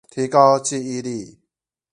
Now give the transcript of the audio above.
提高記憶力